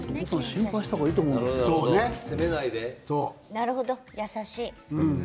なるほど、優しい。